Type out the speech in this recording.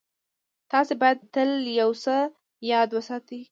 تاسې بايد تل يو څه ياد وساتئ.